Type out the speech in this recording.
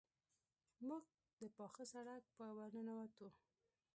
موږ د پاخه سړک په ورننوتو.